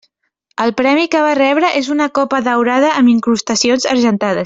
El premi que va rebre és una copa daurada amb incrustacions argentades.